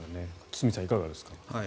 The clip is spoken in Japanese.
堤さん、いかがですか。